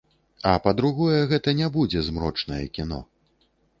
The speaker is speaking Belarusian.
А па-другое, гэта не будзе змрочнае кіно.